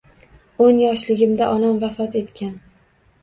O`n yoshligimda onam vafot etgan